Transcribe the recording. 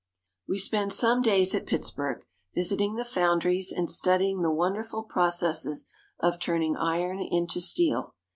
We spend some days at Pittsburg, visiting the foundries and studying the wonderful processes of turning iron into steel.